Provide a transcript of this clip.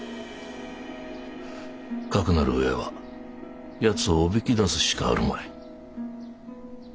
かくなる上は奴をおびき出すしかあるまい。